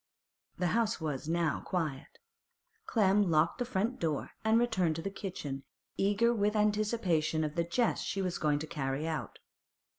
The house was now quiet. Clem locked the front door and returned to the kitchen, eager with anticipation of the jest she was going to carry out.